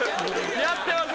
やってます